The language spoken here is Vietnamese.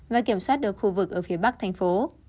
và kiểm soát được khu vực ở phía bắc thành phố